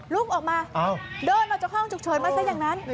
ลุกออกมาเดินออกจากห้องฉุกเฉินมาซะอย่างนั้น